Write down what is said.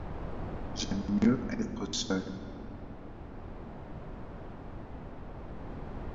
J'aime mieux être seul.